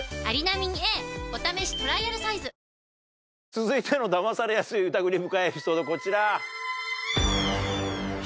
続いてのダマされやすい疑り深いエピソードこちら。